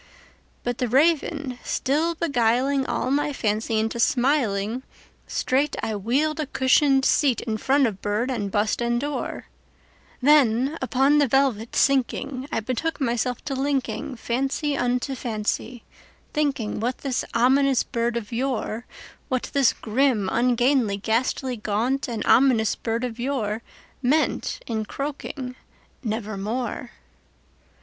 'But the Raven still beguiling all my fancy into smiling, Straight I wheeled a cushioned seat in front of bird and bust and door; Then, upon the velvet sinking, I betook myself to linkingFancy unto fancy, thinking what this ominous bird of yore, What this grim, ungainly, ghastly, gaunt, and ominous bird of yoreMeant in croaking "Nevermore."